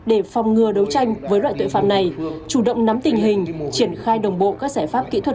để phòng ngừa đấu tranh với loại tội phạm này chủ động nắm tình hình triển khai đồng bộ các giải pháp kỹ thuật